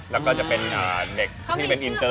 แล้วก็จะเป็นเด็กที่เป็นอินเตอร์